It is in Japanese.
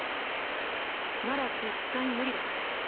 なら絶対無理だ。